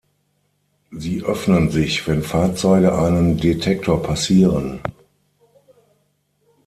Sie öffnen sich, wenn Fahrzeuge einen Detektor passieren.